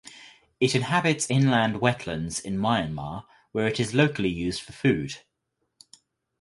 It inhabits inland wetlands in Myanmar where it is locally used for food.